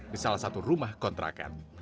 di salah satu rumah kontrakan